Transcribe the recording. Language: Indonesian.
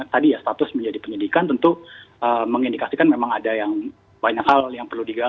tadi ya status menjadi penyidikan tentu mengindikasikan memang ada yang banyak hal yang perlu digali